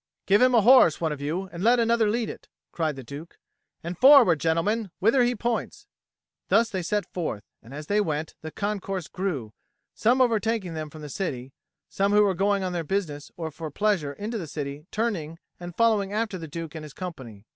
"Give him a horse, one of you, and let another lead it," cried the Duke. "And forward, gentlemen, whither he points!" Thus they set forth, and as they went, the concourse grew, some overtaking them from the city, some who were going on their business or for pleasure into the city turning and following after the Duke and his company.